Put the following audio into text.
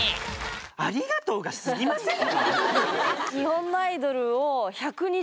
ありがとうがすぎませんか